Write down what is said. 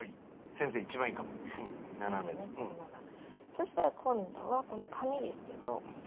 そしたら今度はこの紙ですけど。